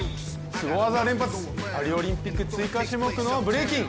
すご技連発、パリオリンピック追加種目のブレイキン。